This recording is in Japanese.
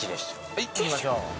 はい行きましょう。